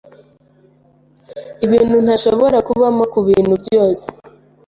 ibintu ntashobora kubamo kubintu byose